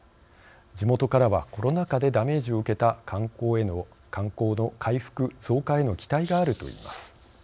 地元からはコロナ禍でダメージを受けた観光の回復・増加への期待があるといいます。